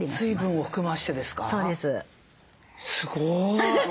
すごい。